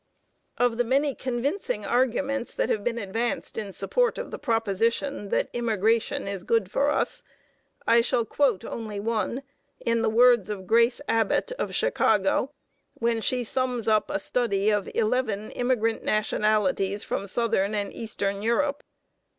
Of the many convincing arguments that have been advanced in support of the proposition that immigration is good for us, I shall quote only one, in the words of Grace Abbott, of Chicago, when she sums up a study of eleven immigrant nationalities from southern and eastern Europe.